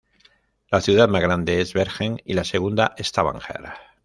La ciudad más grande es Bergen y la segunda Stavanger.